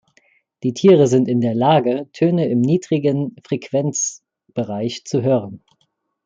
Die Tiere sind in der Lage, Töne im niedrigen Frequenzbereich zu hören.